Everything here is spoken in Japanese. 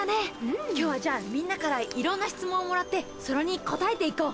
今日はじゃあみんなからいろんな質問をもらってそれに答えていこう。